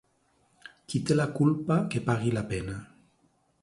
Qui té la culpa, que pagui la pena.